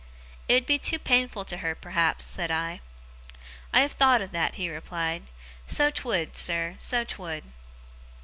'It would be too painful to her, perhaps,' said I. 'I have thowt of that,' he replied. 'So 'twould, sir, so 'twould.